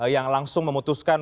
yang langsung memutuskan